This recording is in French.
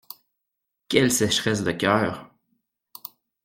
Quelle sécheresse de cœur!